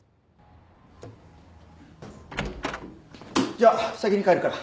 じゃあ先に帰るから。